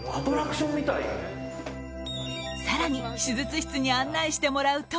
更に、手術室に案内してもらうと。